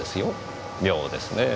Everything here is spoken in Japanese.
妙ですねぇ。